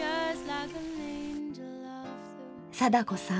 貞子さん